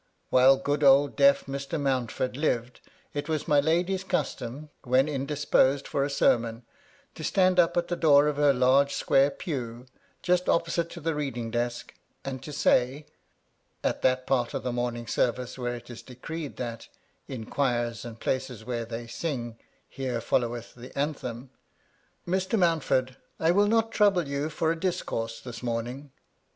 While good old deaf MY LADY LUDLOW. 31 Mr. Mountford lived, it was my lady's custom, when indisposed for a sermon, to stand up at the door of her large square pew, — just opposite to the reading desk, — and to say (at that part of the morning service where it is decreed that, in quires and places where they sing, here foUoweth the Anthem) :" Mr. Mountford, I will not trouble you for a discourse this morning."